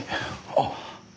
あっ！？